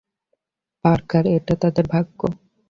Parker, এটা তাদের ভাগ্য।